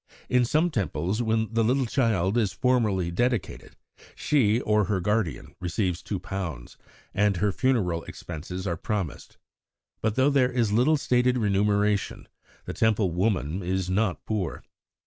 In some Temples when the little child is formally dedicated, she (or her guardian) receives two pounds, and her funeral expenses are promised. But though there is little stated remuneration, the Temple woman is not poor.